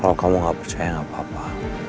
kalau kamu gak percaya gak apa apa